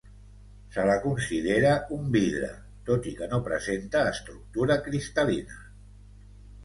Se la considera un vidre, tot i que no presenta estructura cristal·lina.